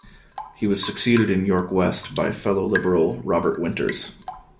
He was succeeded in York West by fellow Liberal Robert Winters.